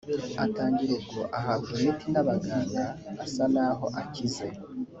atangira ubwo ahabwa imiti n’abaganga asa naho akize